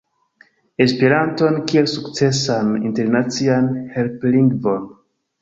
Esperanton kiel sukcesan internacian helplingvon